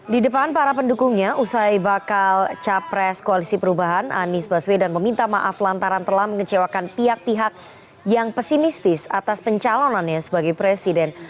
di depan para pendukungnya usai bakal capres koalisi perubahan anies baswedan meminta maaf lantaran telah mengecewakan pihak pihak yang pesimistis atas pencalonannya sebagai presiden